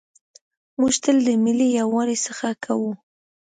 موږ تل د ملي یووالي هڅه کوو.